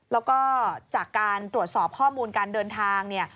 แล้วก็จากการตรวจสอบข้อมูลการเดินทางเนี่ย